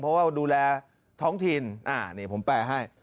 เพราะว่าดูแลท้องถิ่นนี่ผมแปลให้